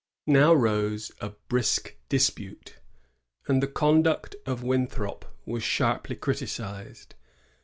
Now rose a brisk dispute, and the conduct of Winthrop was sharply criticised.